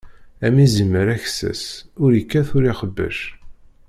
Am izimer aksas, ur ikkat ur ixebbec.